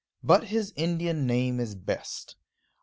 But his Indian name is best.